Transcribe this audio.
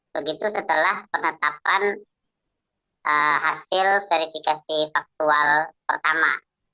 begitu setelah penetapan hasil verifikasi faktual pertama